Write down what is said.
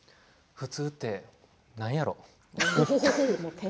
普通って何やろ。